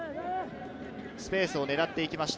スペースを狙っていきました。